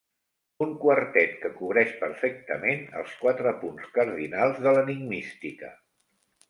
Un quartet que cobreix perfectament els quatre punts cardinals de l'enigmística.